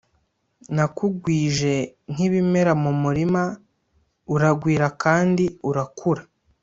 Nakugwije nk’ibimera mu murima uragwira kandi urakura